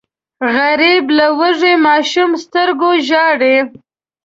غریب له وږي ماشوم سترګو ژاړي